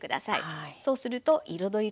はい。